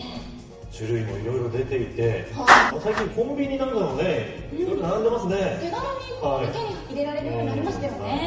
種類もいろいろ出ていて、最近、コンビニなどでもね、いろい手軽に手に入れられるようになりましたよね。